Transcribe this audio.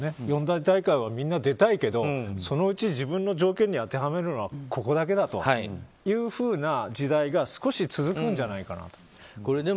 四大大会もみんな出たいけど、そのうち自分の条件に当てはめるのはここだけだというふうな時代が少し続くんじゃないかなと。